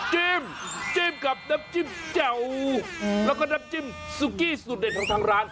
จิ้มจิ้มกับน้ำจิ้มแจ่วแล้วก็น้ำจิ้มซุกี้สุดเด็ดของทางร้าน